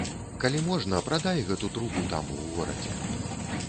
Калі можна, прадай гэту трубу там у горадзе.